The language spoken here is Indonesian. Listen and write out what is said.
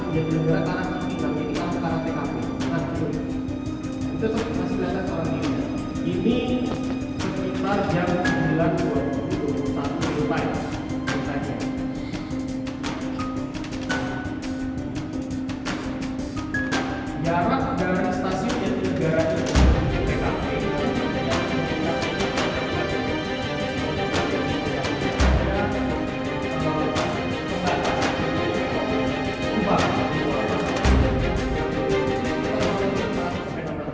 jarak dari stasiun yang di gerak tkp